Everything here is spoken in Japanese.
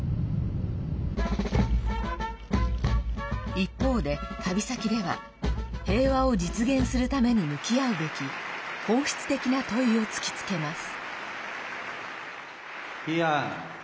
一方で、旅先では平和を実現するために向き合うべき本質的な問いを突きつけます。